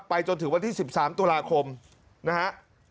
ไปจนถึงวันที่๑๓ตุลาคมนะครับ